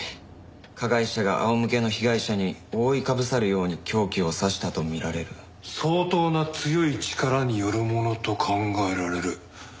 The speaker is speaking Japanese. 「加害者が仰向けの被害者に覆いかぶさるように凶器を刺したと見られる」「相当な強い力によるものと考えられる」